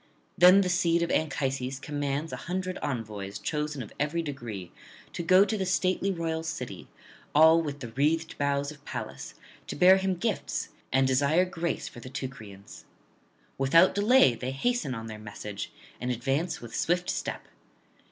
Then the seed of Anchises commands an hundred envoys chosen of every degree to go to the stately royal city, all with the wreathed boughs of Pallas, to bear him gifts and desire grace for the Teucrians. Without delay they hasten on their message, and advance with swift step.